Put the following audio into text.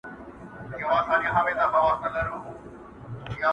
جلال اباد ته ځي خپله تفريح او مېله کوي